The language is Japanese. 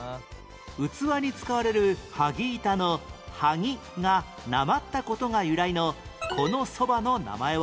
器に使われる剥ぎ板の「剥ぎ」がなまった事が由来のこのそばの名前は？